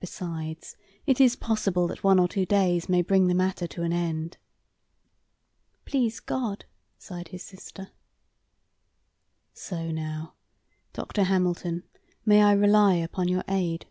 Besides, it is possible that one or two days may bring the matter to an end." "Please God!" sighed his sister. "So now, Dr. Hamilton, may I rely upon your aid?"